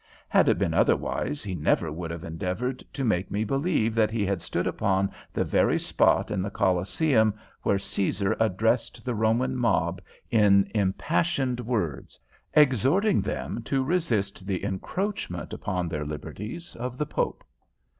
Had it been otherwise he never would have endeavored to make me believe that he had stood upon the very spot in the Colosseum where Caesar addressed the Roman mob in impassioned words, exhorting them to resist the encroachment upon their liberties of the Pope!